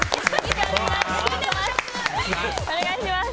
お願いします。